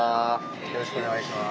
よろしくお願いします。